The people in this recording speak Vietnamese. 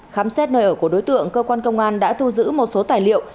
khám xét nơi ở của đối tượng cơ quan công an đã thu giữ một số tài liệu